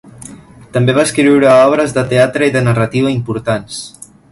També va escriure obres de teatre i de narrativa importants.